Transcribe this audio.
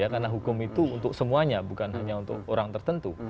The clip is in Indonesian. karena hukum itu untuk semuanya bukan hanya untuk orang tertentu